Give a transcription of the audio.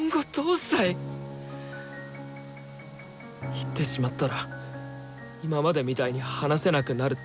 「言ってしまったら今までみたいに話せなくなる」って言ってたよな。